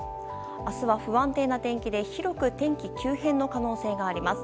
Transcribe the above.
明日は不安定な天気で広く天気急変の可能性があります。